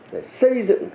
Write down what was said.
để xây dựng